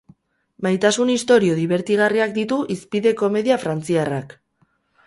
Maitasun istorio dibertigarriak ditu hizpide komedia frantziarrak.